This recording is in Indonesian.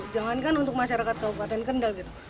jangankan untuk masyarakat kabupaten kendal gitu